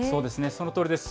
そのとおりです。